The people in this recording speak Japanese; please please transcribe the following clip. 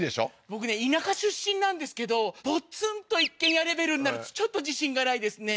僕ね田舎出身なんですけどポツンと一軒家レベルになるとちょっと自信がないですね